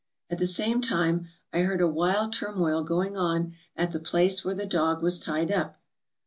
At the same time I heard a wild turmoil going on at the place where the dog was tied up.